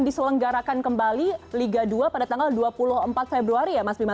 diselenggarakan kembali liga dua pada tanggal dua puluh empat februari ya mas bima